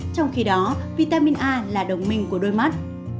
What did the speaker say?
trong khi đó vitamin a là đồng minh của đôi mắt